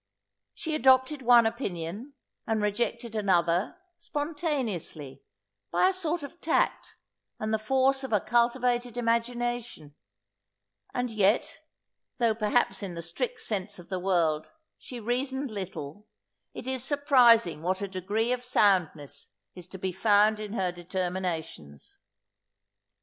She adopted one opinion, and rejected another, spontaneously, by a sort of tact, and the force of a cultivated imagination; and yet, though perhaps, in the strict sense of the term, she reasoned little, it is surprising what a degree of soundness is to be found in her determinations.